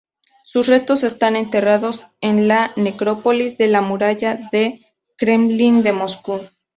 Sus restos están enterrados en la Necrópolis de la Muralla del Kremlin de Moscú.